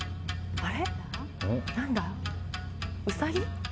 あれ。